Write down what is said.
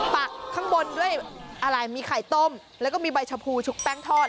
ปักข้างบนด้วยอะไรมีไข่ต้มแล้วก็มีใบชะพูชุบแป้งทอด